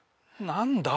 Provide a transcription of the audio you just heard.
何だ？